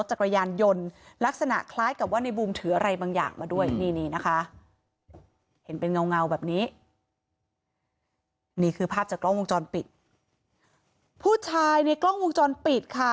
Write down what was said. จากกล้องวงจรปิดผู้ชายในกล้องวงจรปิดค่ะ